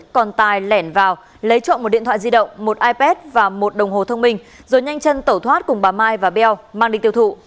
còn tài lẻn vào lấy trộm một điện thoại di động một ipad và một đồng hồ thông minh rồi nhanh chân tẩu thoát cùng bà mai và beo mang đi tiêu thụ